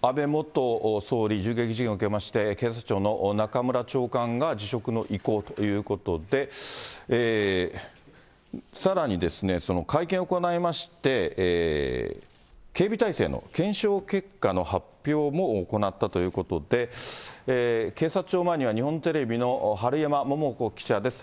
安倍元総理銃撃事件を受けまして、警察庁の中村長官が辞職の意向ということで、さらにですね、会見を行いまして、警備体制の検証結果の発表も行ったということで、警察庁前には日本テレビの治山桃子記者です。